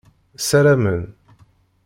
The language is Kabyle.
Ssaramen.